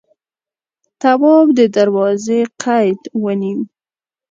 تواب د دروازې قید ونيو.